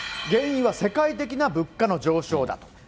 原因は世界的な物価の上昇だと。